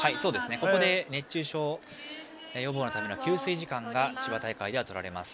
ここで熱中症予防のための給水時間が千葉大会ではとられます。